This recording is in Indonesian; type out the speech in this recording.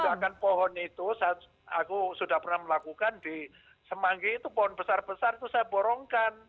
bahkan pohon itu saat aku sudah pernah melakukan di semanggi itu pohon besar besar itu saya borongkan